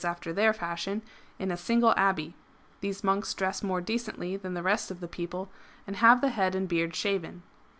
after their fashion) in a single abbey. ^^ These monks dress more decently than the rest of the people, and have the head and beard shaven.